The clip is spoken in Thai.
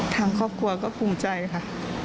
ทางครอบครัวก็ภูมิใจค่ะ